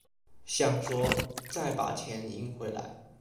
想说再把钱赢回来